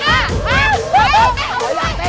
หน้าหน้าหน้า